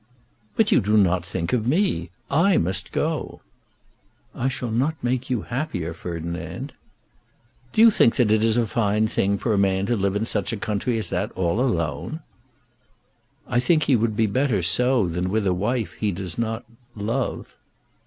"But you do not think of me. I must go." "I shall not make you happier, Ferdinand." "Do you think that it is a fine thing for a man to live in such a country as that all alone?" "I think he would be better so than with a wife he does not love."